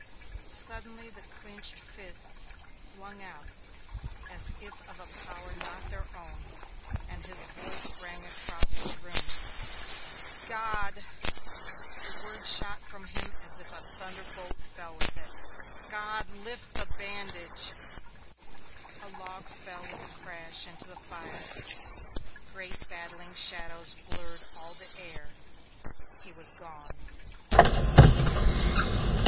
Suddenly the clinched fists flung out as if of a power not their own, and his voice rang across the room. "God!" The word shot from him as if a thunderbolt fell with it. "God! Lift the bandage!" A log fell with a crash into the fire; great battling shadows blurred all the air; he was gone.